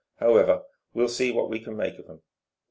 However, we'll see what we can make of 'em."